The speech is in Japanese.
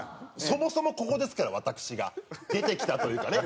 そもそもここですから私が出てきたというかね。